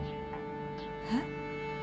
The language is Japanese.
えっ？